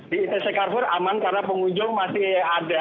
di itc carver aman karena pengunjung masih ada